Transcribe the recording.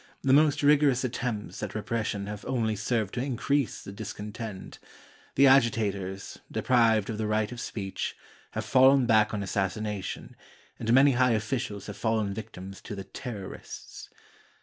The most rigorous attempts at repression have only served to increase the discontent ; the agitators, deprived of the right of speech, have fallen back on assassination, and many high oflScials have fallen victims to the " Terrorists."